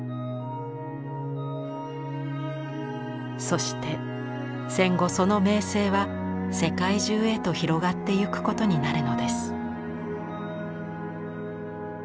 そして戦後その名声は世界中へと広がってゆくことになるのです。